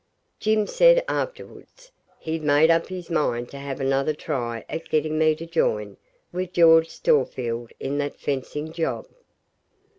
Jim said afterwards he'd made up his mind to have another try at getting me to join with George Storefield in that fencing job.